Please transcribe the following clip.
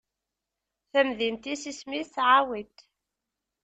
tamdint-is isem-is Ɛawit.